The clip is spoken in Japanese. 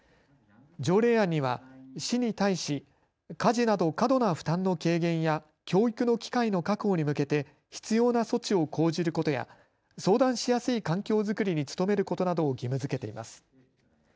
条例案には市に対し、家事など過度な負担の軽減や教育の機会の確保に向けて必要な措置を講じることや相談しやすい環境作りに努めることなどを義務づけています。